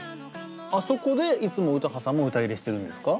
あそこでいつも詩羽さんも歌入れしてるんですか？